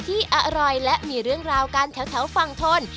ที่อร่อยและมีเรื่องราวกันแถวฝั่งทน